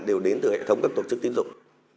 đều đến từ hệ thống các tổ chức tiến dụng